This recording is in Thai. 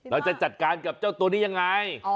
เราจะจัดการกับเจ้าตัวนี้ยังไง